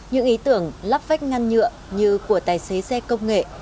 những ý tưởng lắp vách ngăn nhựa như của tài xế xe công nghệ